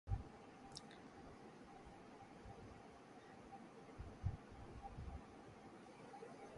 Oda Nobunaga lodged there before his invasion of the west.